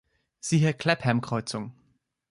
Siehe Clapham-Kreuzung.